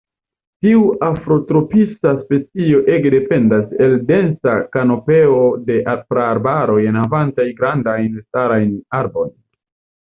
Tiu afrotropisa specio ege dependas el densa kanopeo de praarbaroj enhavantaj grandajn elstarajn arbojn.